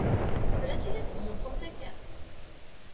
Fell-as i la tetzuxxumt akka?